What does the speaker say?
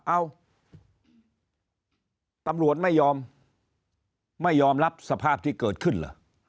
เอ้าตำรวจไม่ยอมไม่ยอมรับสภาพที่เกิดขึ้นเหรอ